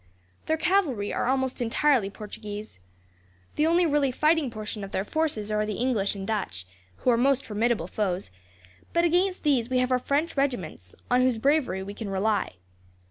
Their cavalry are almost entirely Portuguese. The only really fighting portion of their forces are the English and Dutch, who are most formidable foes; but against these we have our French regiments, on whose bravery we can rely.